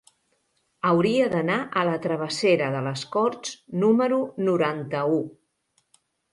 Hauria d'anar a la travessera de les Corts número noranta-u.